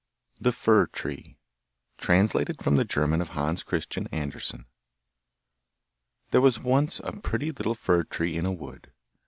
The Fir tree Translated from the German of Hans Christian Andersen. There was once a pretty little fir tree in a wood.